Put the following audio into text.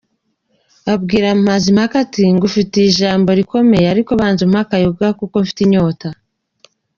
Abwira Mazimpaka, ati “Ngufitiye ijambo rikomeye ariko banza umpe akayoga kuko mfite inyota”.